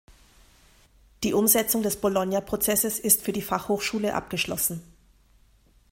Die Umsetzung des Bolognaprozesses ist für die Fachhochschule abgeschlossen.